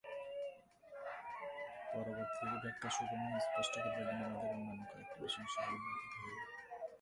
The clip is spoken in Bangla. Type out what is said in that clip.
পরবর্তী ব্যাখ্যা সুগম ও স্পষ্ট করিবার জন্য আমাদের অন্যান্য কয়েকটি বিষয় স্মরণ রাখিতে হইবে।